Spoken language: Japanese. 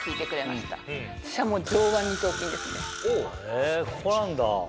へぇここなんだ。